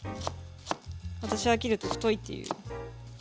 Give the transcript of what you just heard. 私が切ると太いっていう。